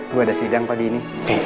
ibu ada sidang pagi ini